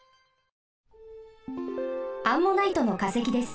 アンモナイトのかせきです。